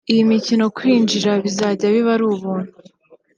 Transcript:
Iyi mikino kwinjira bizajya biba ari ubuntu